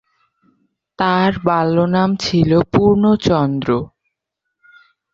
তাঁর বাল্যনাম ছিল পূর্ণচন্দ্র।